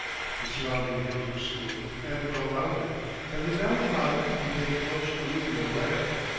The surrounding hills were smooth and well rounded and the valley bottom contained much alluvial land.